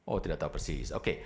oh tidak tahu persis oke